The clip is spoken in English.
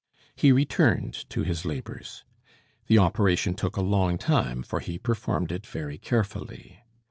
He returned to his labours. The operation took a long time, for he performed it very carefully.